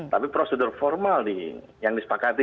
tapi prosedur formal yang disepakati